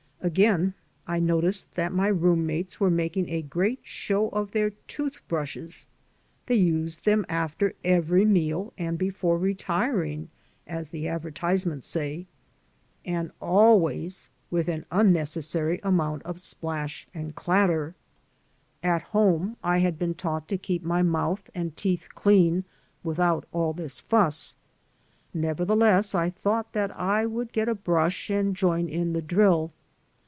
Again, I noticed that my room mates were making a great show of their tooth brushes. They used them after every meal and before retiring as the advertisements say — ^and always with an unnecessary amount of splash 288 THE FRUITS OP SOLITUDE and clatter. At home I had been taught to keep my mouth and teeth clean without all this fuss. Never theless, I thought that I would get a brush and join in the drill.